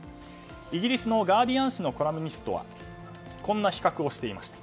イギリスガーディアン紙のコラムニストはこんな比較をしていました。